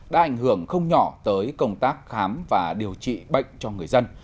đã ảnh hưởng không nhỏ tới công tác khám và điều trị bệnh cho người dân